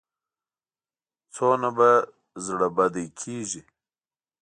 څومره به زړه بدی کېږي.